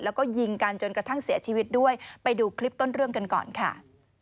แล้วก็ยิงกันจนกระทั่งเสียชีวิตด้วยไปดูคลิปต้นเรื่องกันก่อนค่ะ